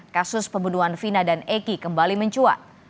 kasus pembunuhan vina dan eki kembali mencuat